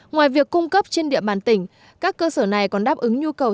ngoài việc cung cấp trên địa bàn tỉnh các cơ sở này còn đáp ứng nhu cầu